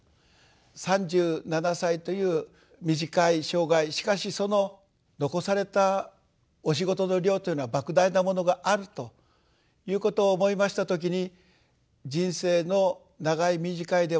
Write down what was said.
３７歳という短い生涯しかしその残されたお仕事の量というのは莫大なものがあるということを思いました時に人生の長い短いではない。